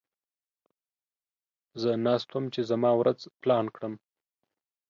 زه ناست وم چې زما ورځ پلان کړم.